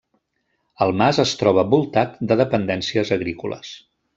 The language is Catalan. El mas es troba voltat de dependències agrícoles.